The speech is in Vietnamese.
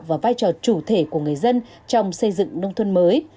và vai trò chủ thể của người dân trong xây dựng nông thôn mới